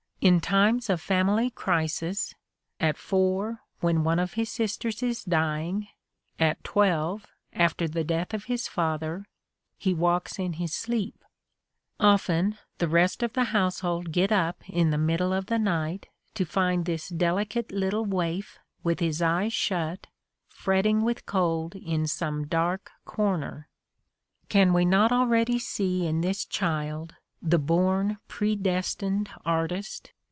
In times of family crisis, at four, when one of his sisters is dying, at twelve, after the death of his father, he walks in his sleep : often the rest of the household get up in the middle of the night to find this delicate little waif with his eyes shut "fret ting with cold in some dark corner." Can we not already see in this child the born, pre destined artist?